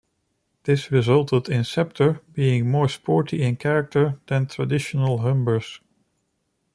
This resulted in the Sceptre being more sporty in character than traditional Humbers.